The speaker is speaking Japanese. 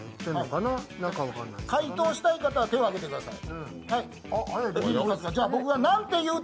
回答したい方は手を挙げてください。